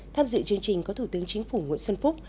tham dự chương trình có thủ tướng chính phủ nguyễn xuân phúc